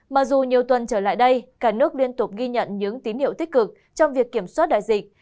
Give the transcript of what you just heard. mặc dù nhiều tuần trở lại đây cả nước liên tục ghi nhận những tín hiệu tích cực trong việc kiểm soát đại dịch